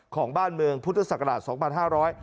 ของบ้านเมืองพุทธศักราช๒๕๓๕